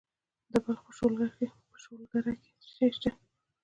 د بلخ په شولګره کې څه شی شته؟